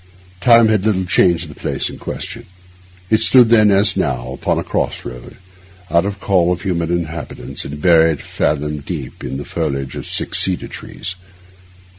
Time has little changed the place in question. It stood then, as now, upon a cross road, out of call of human habitations, and buried fathom deep in the foliage of six cedar trees.